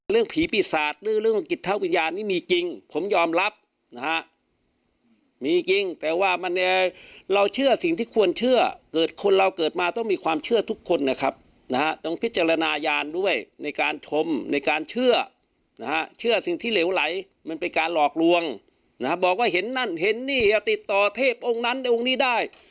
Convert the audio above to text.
ผีปีศาจหรือเรื่องกิจเท่าวิญญาณนี่มีจริงผมยอมรับนะฮะมีจริงแต่ว่ามันเราเชื่อสิ่งที่ควรเชื่อเกิดคนเราเกิดมาต้องมีความเชื่อทุกคนนะครับนะฮะต้องพิจารณาด้วยในการชมในการเชื่อนะฮะเชื่อสิ่งที่เหลวไหลมันเป็นการหลอกลวงนะฮะบอกว่าเห็นนั่นเห็นนี่อย่าติดต่อเทพองค์นั้นองค์นี้ได้